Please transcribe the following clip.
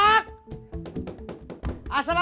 kayak hugging tegen zat luna